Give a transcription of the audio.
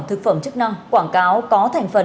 thực phẩm chức năng quảng cáo có thành phần